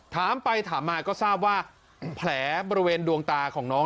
ถามไปถามมาก็ทราบว่าแผลบริเวณดวงตาของน้อง